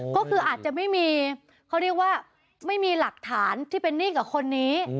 ก็คืออาจจะไม่มีเขาเรียกว่าไม่มีหลักฐานที่เป็นหนี้กับคนนี้